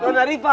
eh dona rifah